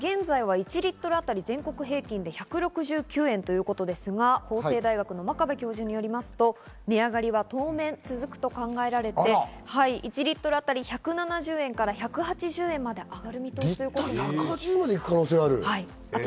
現在は１リットル当たり全国平均で１６９円ということですが、法政大学の真壁教授によると、値上がり当面続くと考えられ、１リットルあたり１７０円から１８０円まで上がる見通しだということです。